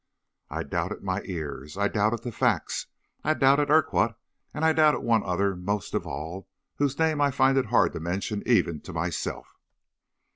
I doubted my ears; I doubted the facts; I doubted Urquhart, and I doubted one other most of all whose name I find it hard to mention even to myself.